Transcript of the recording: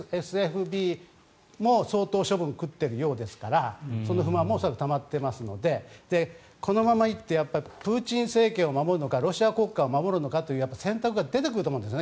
ＦＳＢも相当処分を食っているようですからその不満も恐らくたまっていますのでこのままいってプーチン政権を守るのかロシア国家を守るのかという選択が出てくるんだと思います。